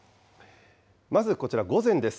まずこちら、午前です。